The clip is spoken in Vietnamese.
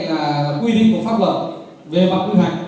những cái quy định của pháp luật về mặt nguy hoạch